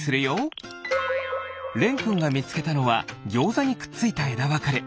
れんくんがみつけたのはぎょうざにくっついたえだわかれ。